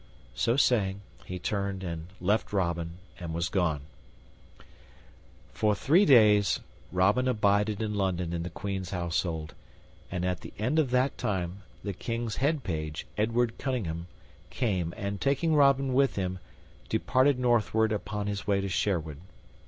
So saying, he turned and left Robin and was gone. For three days Robin abided in London in the Queen's household, and at the end of that time the King's head Page, Edward Cunningham, came, and taking Robin with him, departed northward upon his way to Sherwood.